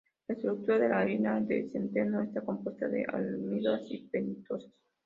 La estructura de la harina de centeno está compuesta de almidones y pentosas.